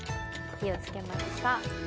火を付けました。